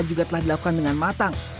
juga telah dilakukan dengan matang